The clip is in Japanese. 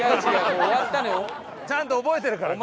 ちゃんと覚えてるから。